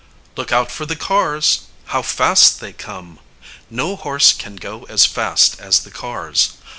] Look out for the cars! How fast they come! No horse can go as fast as the cars.